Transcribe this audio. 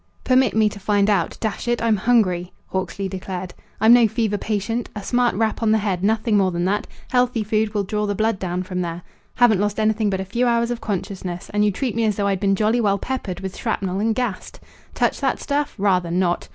"Permit me to find out. Dash it, I'm hungry!" Hawksley declared. "I'm no fever patient. A smart rap on the head; nothing more than that. Healthy food will draw the blood down from there. Haven't lost anything but a few hours of consciousness, and you treat me as though I'd been jolly well peppered with shrapnel and gassed. Touch that stuff? Rather not!